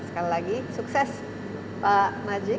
sekali lagi sukses pak majid